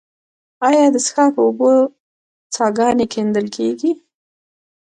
آیا د څښاک اوبو څاګانې کیندل کیږي؟